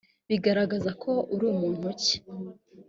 bigaragaza ko uri muntu ki